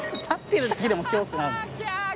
立ってるだけでも恐怖。